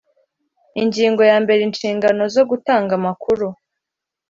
Ingingo ya mbere Inshingano zo gutanga amakuru